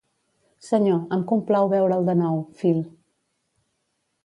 Senyor, em complau veure'l de nou, Phil.